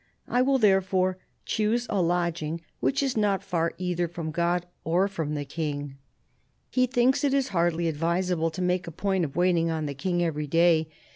I will therefore choose a lodging which is not far either from God or from the King." He thinks it is hardly advisable to make a point of waiting on the King every day.